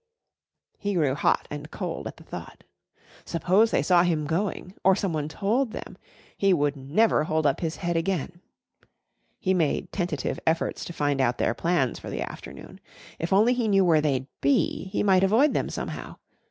He grew hot and cold at the thought. Suppose they saw him going or someone told them he would never hold up his head again. He made tentative efforts to find out their plans for the afternoon. If only he knew where they'd be he might avoid them somehow.